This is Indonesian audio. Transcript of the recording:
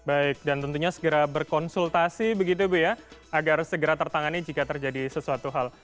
baik dan tentunya segera berkonsultasi begitu bu ya agar segera tertangani jika terjadi sesuatu hal